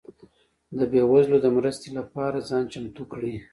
ده بيوزلو ده مرستي لپاره ځان چمتو کړئ